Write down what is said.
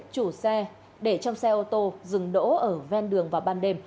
chủ xe để trong xe ô tô dừng đỗ ở ven đường vào ban đêm